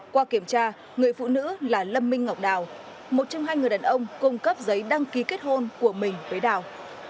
qua kiểm tra người phụ nữ là lâm minh ngọc đào một trong hai người đàn ông cung cấp giấy đăng ký kết hôn của mình với đào